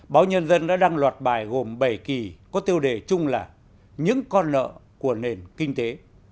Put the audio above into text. báo nhân dân đã đăng loạt bài gồm bảy kỳ có tiêu đề chung là những con nợ của nền kinh tế